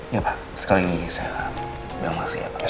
iya pak sekali lagi saya bilang makasih ya pak